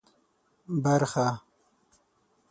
برخه